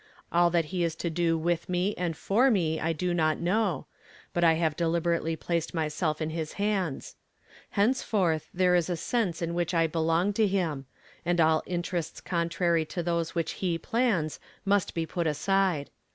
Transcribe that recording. All that he is to do with me and for me I do not know, but I have deliberately placed my self in his hands. Plenceforth there is a sense in which I belong to him; and all interests contrary to those which he plans must be put aside.